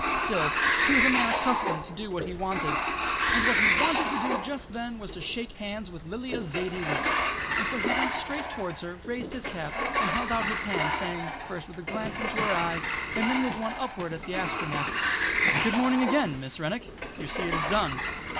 Still, he was a man accustomed to do what he wanted: and what he wanted to do just then was to shake hands with Lilla Zaidie Rennick, and so he went straight towards her, raised his cap, and held out his hand saying, first with a glance into her eyes, and then with one upward at the Astronef: "Good morning again, Miss Rennick! You see it is done."